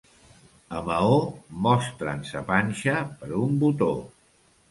A Maó mostren sa panxa per un botó.